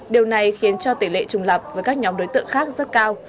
điều này khiến cho tỷ lệ trùng lập với các nhóm đối tượng khác rất cao